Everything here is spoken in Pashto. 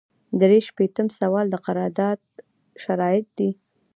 درې شپیتم سوال د قرارداد شرایط دي.